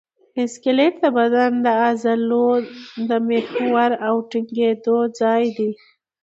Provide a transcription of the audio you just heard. سکلیټ د بدن د عضلو د محور او ټینګېدو ځای دی.